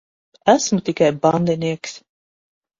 Esmu tikai bandinieks.